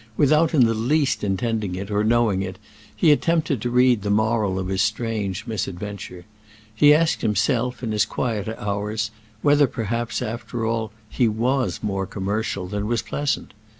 Without in the least intending it or knowing it, he attempted to read the moral of his strange misadventure. He asked himself, in his quieter hours, whether perhaps, after all, he was more commercial than was pleasant.